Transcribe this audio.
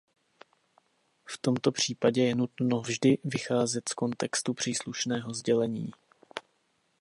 V tomto případě je nutno vždy vycházet z kontextu příslušného sdělení.